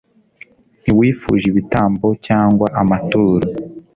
ntiwifuje ibitambo cyangwa amaturo